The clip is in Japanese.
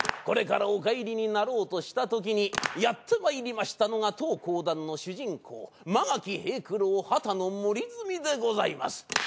これからお帰りになろうとしたときにやってまいりましたのが当講談の主人公曲垣平九郎盛澄でございます。